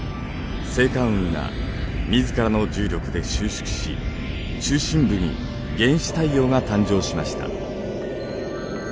星間雲が自らの重力で収縮し中心部に原始太陽が誕生しました。